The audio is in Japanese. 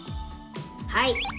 はい。